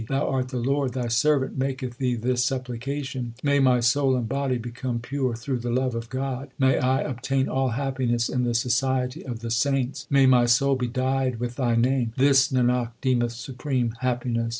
Thou art the Lord, Thy servant maketh Thee this sup plication May my soul and body become pure through the love of God ! May I obtain all happiness in the society of the saints ! May my soul be dyed with Thy name ! This Nanak deemeth supreme happiness.